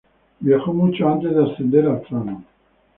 Viajó mucho antes de ascender al trono.